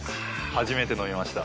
初めて飲みました。